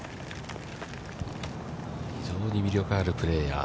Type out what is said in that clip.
非常に魅力あるプレーヤー。